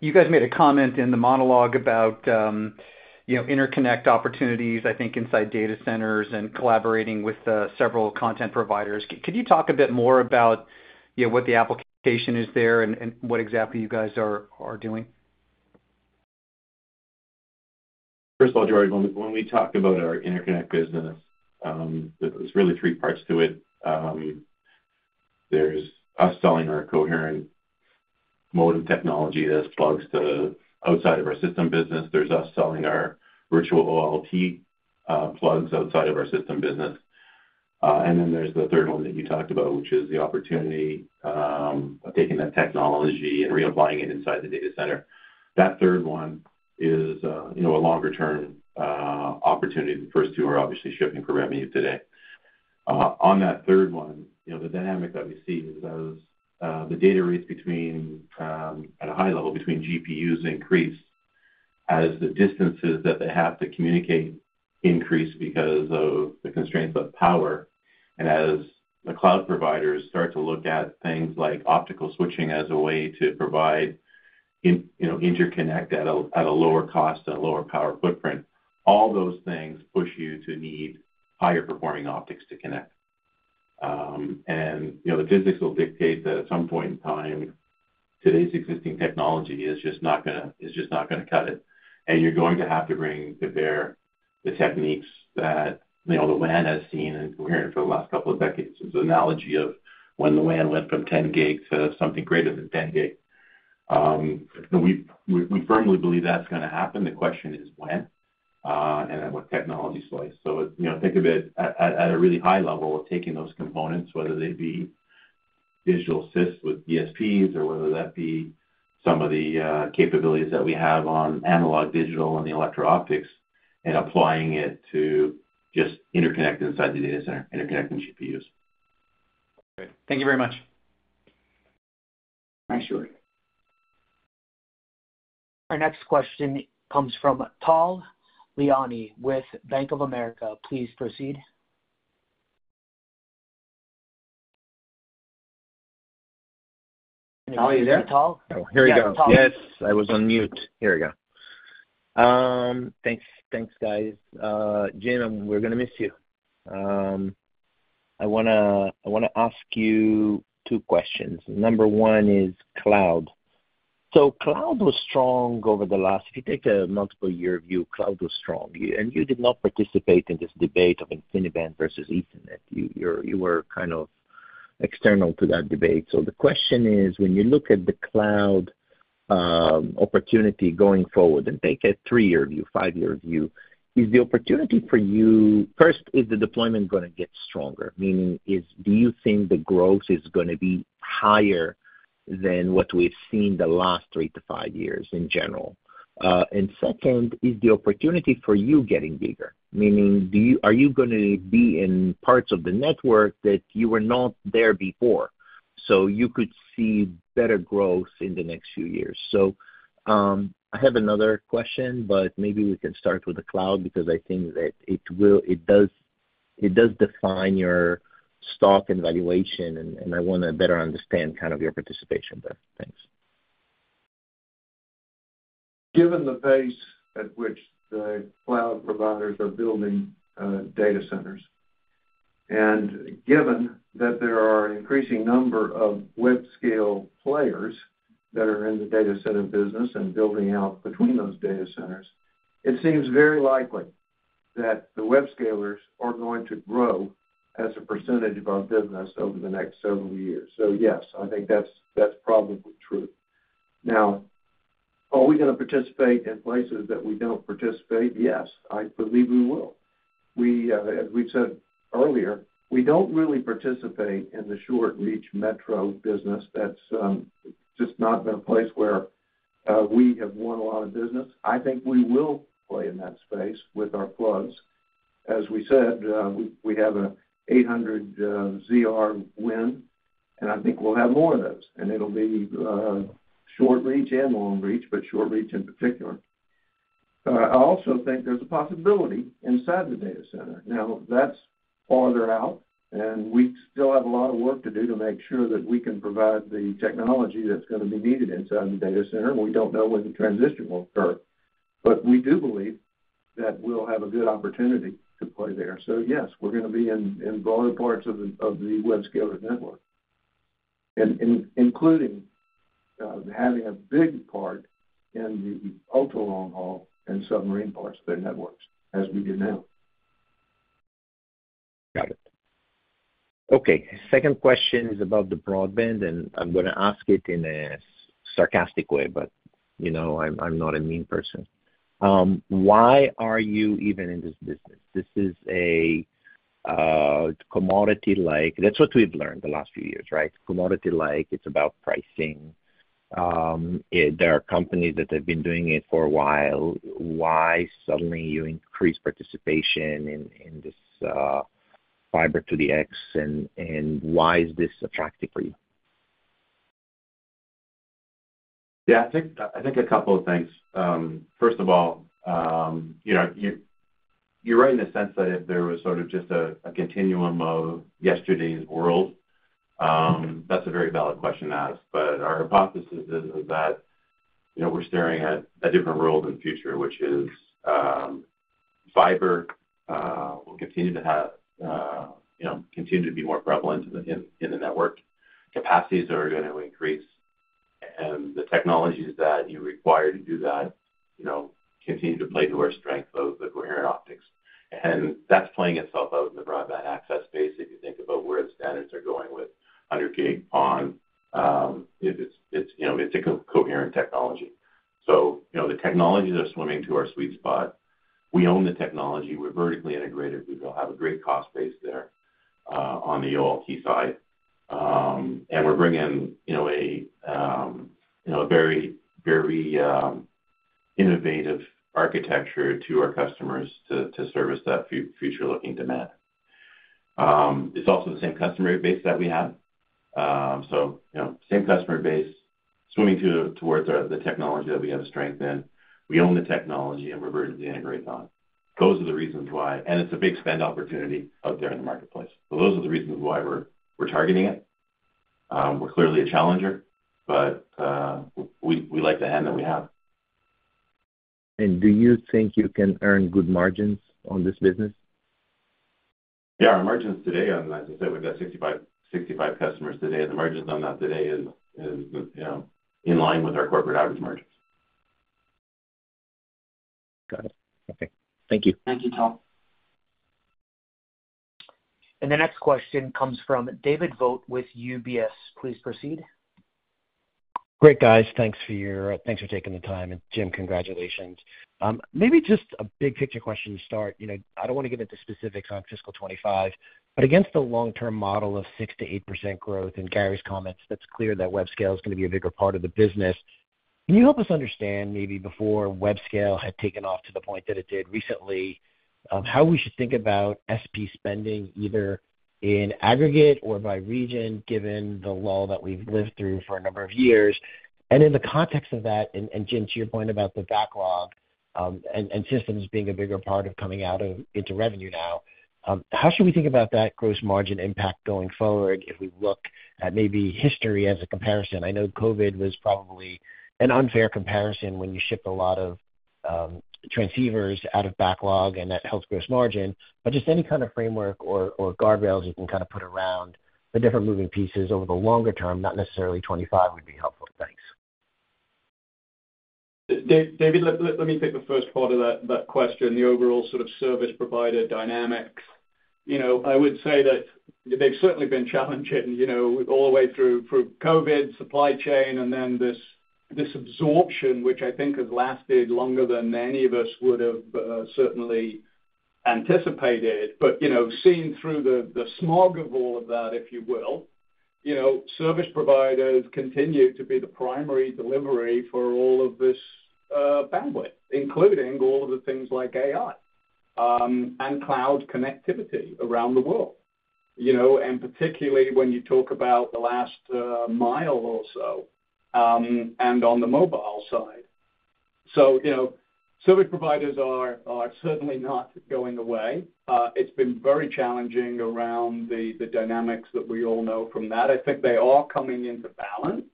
you guys made a comment in the monologue about, you know, interconnect opportunities, I think, inside data centers and collaborating with several content providers. Could you talk a bit more about, you know, what the application is there and what exactly you guys are doing? First of all, George, when we talk about our interconnect business, there's really three parts to it. There's us selling our coherent modem technology that plugs to outside of our system business. There's us selling our virtual OLT plugs outside of our system business. And then there's the third one that you talked about, which is the opportunity of taking that technology and reapplying it inside the data center. That third one is, you know, a longer term opportunity. The first two are obviously shipping for revenue today. On that third one, you know, the dynamic that we see is as, the data rates between, at a high level, between GPUs increase, as the distances that they have to communicate increase because of the constraints of power, and as the cloud providers start to look at things like optical switching as a way to provide you know, interconnect at a lower cost and a lower power footprint, all those things push you to need higher performing optics to connect. And, you know, the physics will dictate that at some point in time, today's existing technology is just not gonna cut it, and you're going to have to bring to bear the techniques that, you know, the WAN has seen and coherent for the last couple of decades. There's the analogy of when the WAN went from ten gig to something greater than ten gig. And we firmly believe that's gonna happen. The question is when, and then what technology slice. So, you know, think of it at a really high level of taking those components, whether they be digital assist with DSPs or whether that be some of the capabilities that we have on analog, digital, and the electro optics, and applying it to just interconnecting inside the data center, interconnecting GPUs. Great. Thank you very much. Thanks, George. Our next question comes from Tal Liani with Bank of America. Please proceed. Tal, are you there? Oh, here we go. Yeah, Tal. Yes, I was on mute. Here we go. Thanks. Thanks, guys. Jim, we're gonna miss you. I wanna ask you two questions. Number one is cloud. So cloud was strong over the last. If you take a multiple year view, cloud was strong. And you did not participate in this debate of InfiniBand versus Ethernet. You were kind of external to that debate. So the question is, when you look at the cloud opportunity going forward, and take a three-year view, five-year view, is the opportunity for you. First, is the deployment gonna get stronger? Meaning, do you think the growth is gonna be higher than what we've seen the last three to five years in general? And second, is the opportunity for you getting bigger? Meaning, do you, are you gonna be in parts of the network that you were not there before, so you could see better growth in the next few years? So, I have another question, but maybe we can start with the cloud, because I think that it will, it does, it does define your stock and valuation, and, and I wanna better understand kind of your participation there. Thanks. Given the pace at which the cloud providers are building data centers, and given that there are an increasing number of webscaler players that are in the data center business and building out between those data centers, it seems very likely that the webscalerrs are going to grow as a percentage of our business over the next several years. So yes, I think that's, that's probably true. Now, are we gonna participate in places that we don't participate? Yes, I believe we will. We, as we said earlier, we don't really participate in the short reach metro business. That's just not been a place where we have won a lot of business. I think we will play in that space with our plugs. As we said, we have an 800ZR win, and I think we'll have more of those, and it'll be short reach and long reach, but short reach in particular. I also think there's a possibility inside the data center. Now, that's farther out, and we still have a lot of work to do to make sure that we can provide the technology that's gonna be needed inside the data center. We don't know when the transition will occur, but we do believe that we'll have a good opportunity to play there. So yes, we're gonna be in broader parts of the hyperscaler network, and including having a big part in the ultra long haul and submarine parts of their networks, as we do now. Got it. Okay, second question is about the broadband, and I'm gonna ask it in a sarcastic way, but, you know, I'm not a mean person. Why are you even in this business? This is a commodity-like... That's what we've learned the last few years, right? Commodity-like, it's about pricing. There are companies that have been doing it for a while. Why suddenly you increase participation in this fiber to the X, and why is this attractive for you? Yeah, I think, I think a couple of things. First of all, you know, you, you're right in the sense that if there was sort of just a continuum of yesterday's world, that's a very valid question to ask. But our hypothesis is that, you know, we're staring at a different world in the future, which is, fiber will continue to have, you know, continue to be more prevalent in the network. Capacities are gonna increase, and the technologies that you require to do that, you know, continue to play to our strength of the coherent optics, and that's playing itself out in the broadband access space. If you think about where the standards are going with hundred gig PON, it is, you know, a coherent technology. So, you know, the technologies are swimming to our sweet spot. We own the technology, we're vertically integrated, we have a great cost base there on the OLT side. And we're bringing, you know, a very, very innovative architecture to our customers to service that future looking demand. It's also the same customer base that we have. So, you know, same customer base, swimming towards the technology that we have strength in. We own the technology, and we're vertically integrated on. Those are the reasons why, and it's a big spend opportunity out there in the marketplace. So those are the reasons why we're targeting it. We're clearly a challenger, but we like the hand that we have. Do you think you can earn good margins on this business? Yeah, our margins today, like I said, we've got sixty-five, sixty-five customers today, and the margins on that today is, you know, in line with our corporate average margins. Got it. Okay. Thank you. Thank you, Tom. The next question comes from David Vogt with UBS. Please proceed. Great, guys. Thanks for taking the time, and Jim, congratulations. Maybe just a big picture question to start. You know, I don't wanna get into specifics on fiscal twenty-five, but against the long-term model of 6-8% growth in Gary's comments, that's clear that webscaler is gonna be a bigger part of the business. Can you help us understand, maybe before webscaler had taken off to the point that it did recently, how we should think about SP spending, either in aggregate or by region, given the lull that we've lived through for a number of years? And in the context of that, and Jim, to your point about the backlog, and systems being a bigger part of coming out of into revenue now, how should we think about that gross margin impact going forward, if we look at maybe history as a comparison? I know COVID was probably an unfair comparison when you ship a lot of transceivers out of backlog, and that helps gross margin, but just any kind of framework or guardrails you can kind of put around the different moving pieces over the longer term, not necessarily '25, would be helpful. Thanks. David, let me take the first part of that question, the overall sort of service provider dynamics. You know, I would say that they've certainly been challenging, you know, all the way through COVID, supply chain, and then this absorption, which I think has lasted longer than any of us would have certainly anticipated. But, you know, seeing through the smog of all of that, if you will, you know, service providers continue to be the primary delivery for all of this bandwidth, including all of the things like AI and cloud connectivity around the world. You know, and particularly when you talk about the last mile or so and on the mobile side. So, you know, service providers are certainly not going away. It's been very challenging around the dynamics that we all know from that. I think they are coming into balance.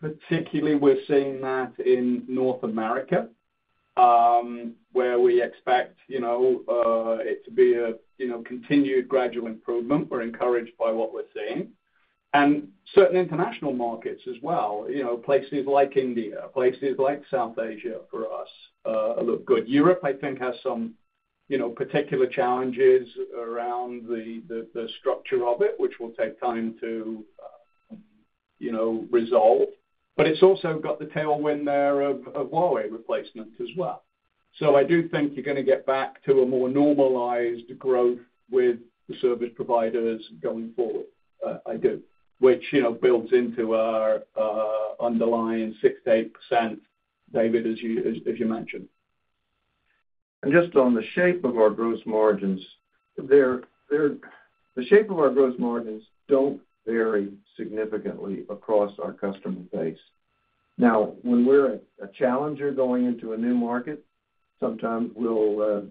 Particularly, we're seeing that in North America, where we expect, you know, it to be a, you know, continued gradual improvement. We're encouraged by what we're seeing. And certain international markets as well, you know, places like India, places like South Asia, for us, look good. Europe, I think, has some, you know, particular challenges around the structure of it, which will take time to, you know, resolve, but it's also got the tailwind there of Huawei replacement as well. So I do think you're gonna get back to a more normalized growth with the service providers going forward. I do, which, you know, builds into our underlying 6%-8%, David, as you mentioned. And just on the shape of our gross margins, they don't vary significantly across our customer base. Now, when we're a challenger going into a new market, sometimes we'll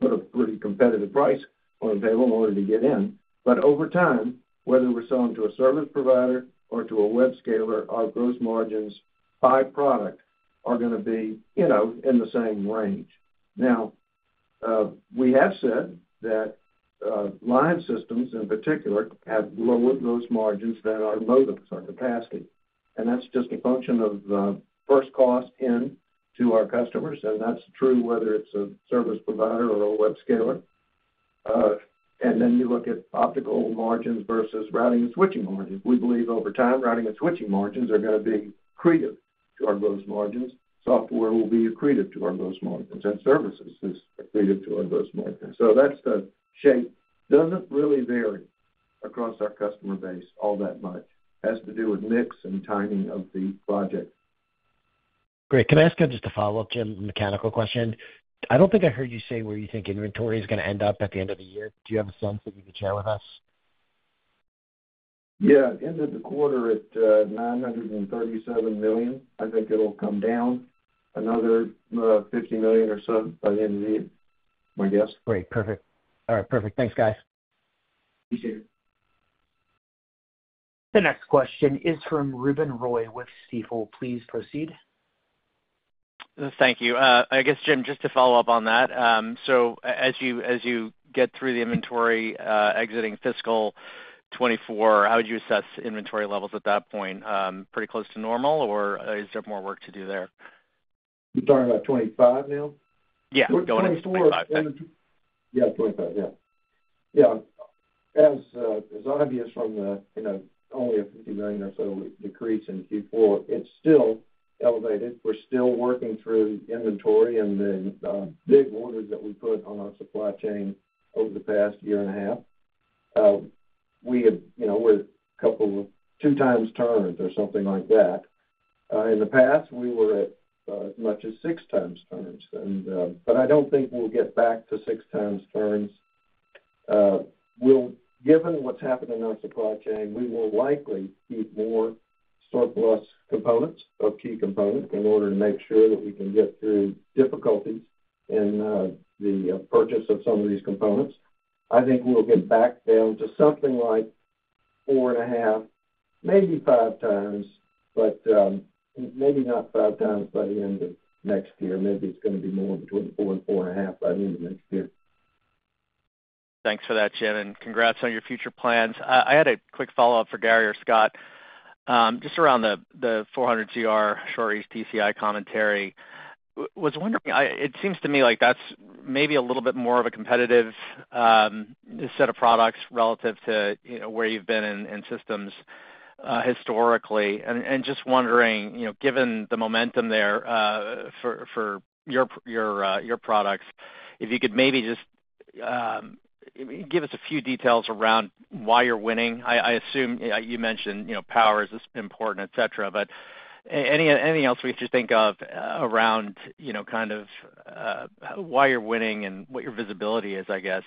put a pretty competitive price on the table in order to get in. But over time, whether we're selling to a service provider or to a webscalerr, our gross margins by product are gonna be, you know, in the same range. Now, we have said that line systems, in particular, have lower gross margins than our modems, our capacity. And that's just a function of first cost in to our customers, and that's true whether it's a service provider or a webscalerr. And then you look at optical margins versus routing and switching margins. We believe over time, routing and switching margins are gonna be accretive to our gross margins. Software will be accretive to our gross margins, and services is accretive to our gross margins. So that's the shape, doesn't really vary across our customer base all that much. Has to do with mix and timing of the project. Great. Can I ask just a follow-up, Jim, mechanical question? I don't think I heard you say where you think inventory is gonna end up at the end of the year. Do you have a sense that you could share with us? Yeah. It ended the quarter at $937 million. I think it'll come down another $50 million or so by the end of the year, my guess. Great. Perfect. All right, perfect. Thanks, guys. Appreciate it. The next question is from Ruben Roy with Stifel. Please proceed. Thank you. I guess, Jim, just to follow up on that, so as you get through the inventory, exiting fiscal 2024, how would you assess inventory levels at that point? Pretty close to normal, or is there more work to do there? You're talking about '25 now? Yeah, going into 2025. Yeah, 2025. Yeah. Yeah. As obvious from the, you know, only a $50 million or so decrease in Q4, it's still elevated. We're still working through inventory and the big orders that we put on our supply chain over the past year and a half. We had, you know, we were two times turns or something like that. In the past, we were at as much as six times turns, and but I don't think we'll get back to six times turns. Given what's happened in our supply chain, we will likely keep more surplus components of key components in order to make sure that we can get through difficulties in the purchase of some of these components. I think we'll get back down to something like four and a half, maybe five times, but maybe not five times by the end of next year. Maybe it's gonna be more between four and four and a half by the end of next year. Thanks for that, Jim, and congrats on your future plans. I had a quick follow-up for Gary or Scott, just around the 400ZR short-reach DCI commentary. I was wondering. It seems to me like that's maybe a little bit more of a competitive set of products relative to, you know, where you've been in systems historically, and just wondering, you know, given the momentum there, for your products, if you could maybe just give us a few details around why you're winning. I assume you mentioned, you know, power is important, et cetera, but anything else we should think of around, you know, kind of why you're winning and what your visibility is, I guess,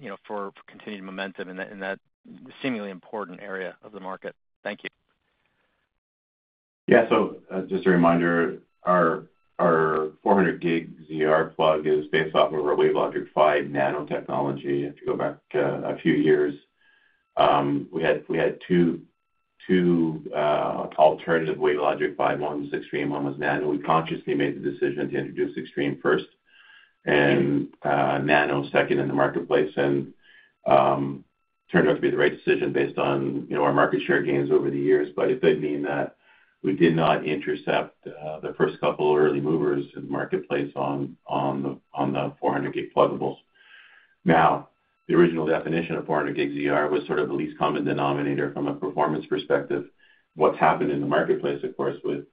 you know, for continued momentum in that seemingly important area of the market? Thank you. Yeah. So, just a reminder, our 400 gig ZR pluggable is based off of our WaveLogic 5 Nano. If you go back a few years, we had two alternative WaveLogic 5, one was Extreme, one was Nano. We consciously made the decision to introduce Extreme first and Nano second in the marketplace, and turned out to be the right decision based on, you know, our market share gains over the years. But it did mean that we did not intercept the first couple early movers in the marketplace on the 400 gig pluggables. Now, the original definition of 400 gig ZR was sort of the least common denominator from a performance perspective. What's happened in the marketplace, of course, with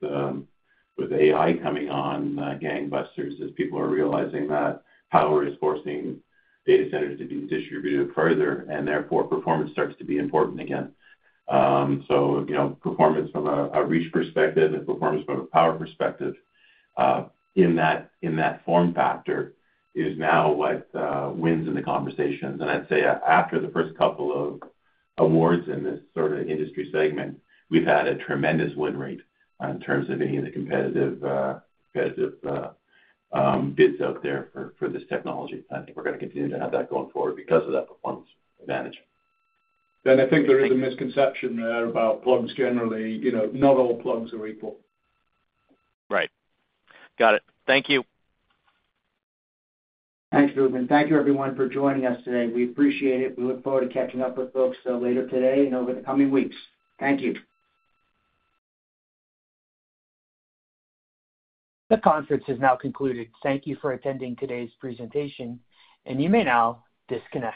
AI coming on gangbusters, is people are realizing that power is forcing data centers to be distributed further, and therefore, performance starts to be important again. So, you know, performance from a reach perspective and performance from a power perspective, in that form factor, is now what wins in the conversations. And I'd say after the first couple of awards in this sort of industry segment, we've had a tremendous win rate in terms of any of the competitive bids out there for this technology. I think we're gonna continue to have that going forward because of that performance advantage. I think there is a misconception there about plugs generally, you know. Not all plugs are equal. Right. Got it. Thank you. Thanks, Ruben. Thank you, everyone, for joining us today. We appreciate it. We look forward to catching up with folks, later today and over the coming weeks. Thank you. The conference is now concluded. Thank you for attending today's presentation, and you may now disconnect.